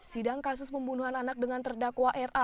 sidang kasus pembunuhan anak dengan terdakwa ra